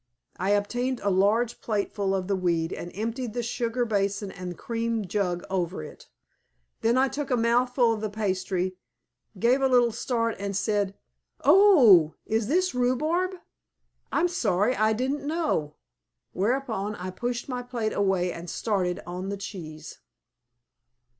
I obtained a large plateful of the weed and emptied the sugar basin and cream jug over it. Then I took a mouthful of the pastry, gave a little start, and said, "Oh, is this rhubarb? I'm sorry, I didn't know." Whereupon I pushed my plate away and started on the cheese.